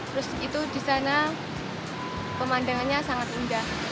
terus itu di sana pemandangannya sangat indah